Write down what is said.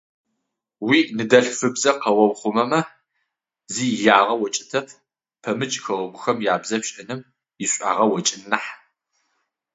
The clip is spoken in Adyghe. Уиныдэлъфыбзэ къэгъэухъумэмэ зи ягъэ окӏытэп пэмыкӏ хэгъэгухэм ябзэ пшӏэным ишӏуагъэ окӏын нахь.